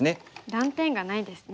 断点がないですね。